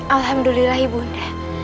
alhamdulillah ibu nda